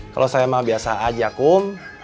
kalo saya mah biasa aja kum